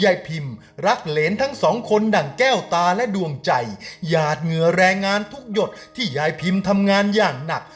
พิมรักเหรนทั้งสองคนดั่งแก้วตาและดวงใจหยาดเหงื่อแรงงานทุกหยดที่ยายพิมทำงานอย่างหนัก